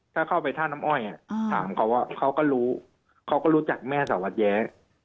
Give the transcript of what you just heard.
ถ้าเข้าไปท่าน้ำอ้อยถามเขาว่าเขาก็รู้เขาก็รู้จักแม่สารวัตรแย้